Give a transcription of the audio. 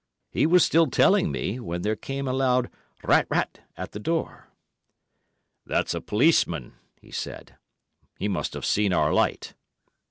He was still telling me, when there came a loud rat rat at the door. "That's a policeman," he said; "he must have seen our light."